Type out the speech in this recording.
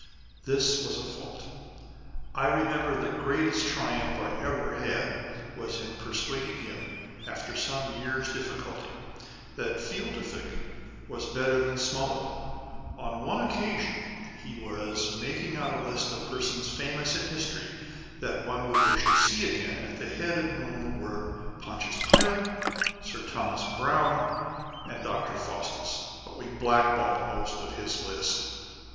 This was a fault. I remember the greatest triumph I ever had was in persuading him, after some years' diffi culty, that Fielding was better than Smollett. On one occasion, he was for making out a list of persons famous in history that one would wish to see again â€" at the head of whom were Pontius Pilate, Sir Thomas Browne, and Dr. Faustus â€" but we blackballed most of his list